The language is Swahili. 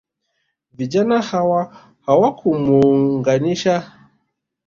Vijana hawa hawakumuangusha pep katika mipango yake